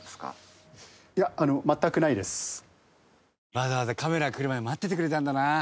わざわざカメラ来るまで待っててくれたんだな。